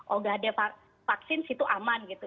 oh nggak ada vaksin situ aman gitu